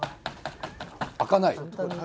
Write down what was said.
開かない？